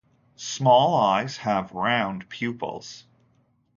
Small eyes have round pupils.